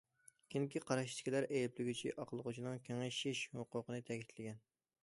كېيىنكى قاراشتىكىلەر ئەيىبلىگۈچى، ئاقلىغۇچىنىڭ‹‹ كېڭىشىش›› ھوقۇقىنى تەكىتلىگەن.